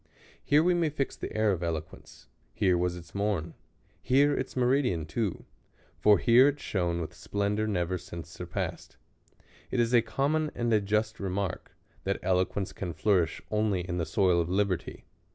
Here we may fix the era of eloquence ; here was its morn ; here its meridian too; for here it shone with splendor never since surpassed. It is a common and a just remark, that eloquence can flourish only in the soil of liberty.